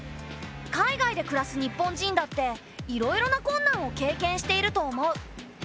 海外で暮らす日本人だっていろいろな困難を経験していると思う。